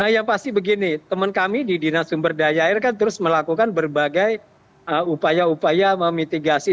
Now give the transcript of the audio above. yang pasti begini teman kami di dinas sumber daya air kan terus melakukan berbagai upaya upaya memitigasi